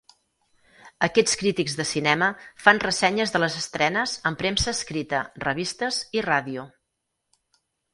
Aquests crítics de cinema fan ressenyes de les estrenes en premsa escrita, revistes i ràdio.